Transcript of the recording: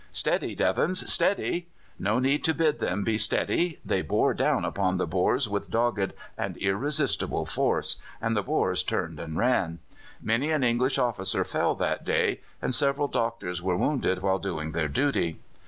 "Steady, Devons, steady!" No need to bid them be steady. They bore down upon the Boers with dogged and irresistible force, and the Boers turned and ran. Many an English officer fell that day, and several doctors were wounded while doing their duty.